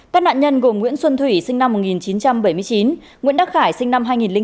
các nạn nhân gồm nguyễn xuân thủy sinh năm một nghìn chín trăm bảy mươi chín nguyễn đắc khải sinh năm hai nghìn chín